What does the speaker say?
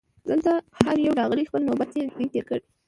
دلته هر یو چي راغلی خپل نوبت یې دی تېر کړی